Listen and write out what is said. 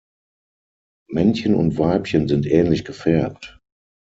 Männchen und Weibchen sind ähnlich gefärbt.